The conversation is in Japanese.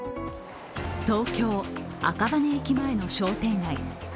東京・赤羽駅前の商店街。